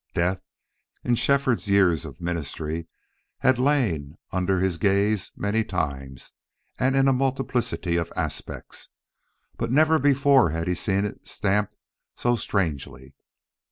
Death, in Shefford's years of ministry, had lain under his gaze many times and in a multiplicity of aspects, but never before had he seen it stamped so strangely.